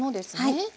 はい。